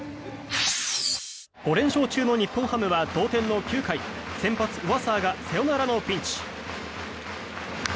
５連勝中の日本ハムは同点の９回先発、上沢がサヨナラのピンチ。